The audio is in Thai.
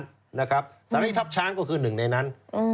สถานีทัพช้างก็คือหนึ่งในนั้น